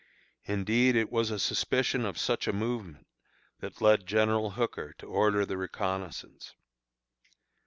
Indeed, it was a suspicion of such a movement that led General Hooker to order the reconnoissance.